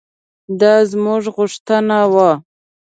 دا زموږ غوښتنه وه.